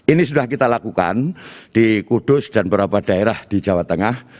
ini sudah kita lakukan di kudus dan beberapa daerah di jawa tengah